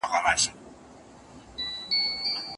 خپل قدر پېژندل تر ټولو مهم کار دی.